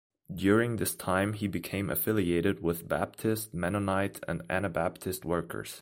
During this time he became affiliated with Baptist, Mennonite and Anabaptist workers.